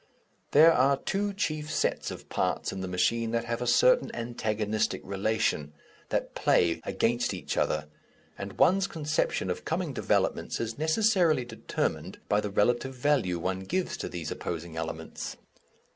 There are two chief sets of parts in the machine that have a certain antagonistic relation, that play against each other, and one's conception of coming developments is necessarily determined by the relative value one gives to these opposing elements.